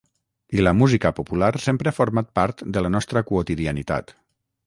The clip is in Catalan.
I la música popular sempre ha format part de la nostra quotidianitat